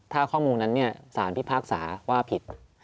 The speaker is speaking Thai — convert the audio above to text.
ถ้าข้อมูลนั้นสารพิพากษาว่าผิด